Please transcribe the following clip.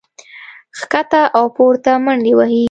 ښکته او پورته منډې وهي